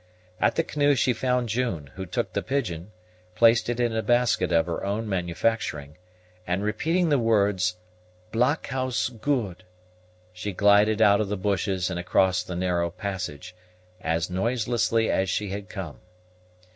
At the canoe she found June, who took the pigeon, placed it in a basket of her own manufacturing, and, repeating the words, "blockhouse good," she glided out of the bushes and across the narrow passage, as noiselessly as she had come.